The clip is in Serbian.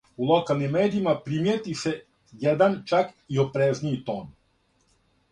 У локалним медијима примијети се један чак и опрезнији тон.